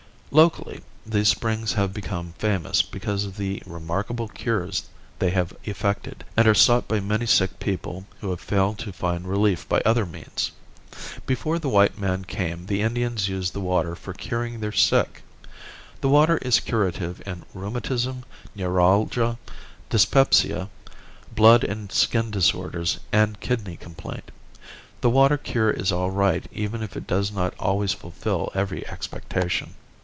Locally, these springs have become famous because of the remarkable cures they have effected, and are sought by many sick people who have failed to find relief by other means. Before the white man came the Indians used the water for curing their sick. The water is curative in rheumatism, neuralgia, dyspepsia, blood and skin disorders and kidney complaint. The water cure is all right even if it does not always fulfill every expectation.